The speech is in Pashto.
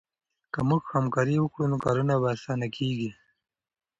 که موږ همکاري وکړو نو کارونه اسانه کېږي.